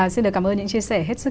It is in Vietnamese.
xin cảm ơn những chia sẻ hết sức